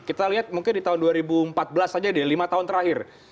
kita lihat mungkin di tahun dua ribu empat belas saja deh lima tahun terakhir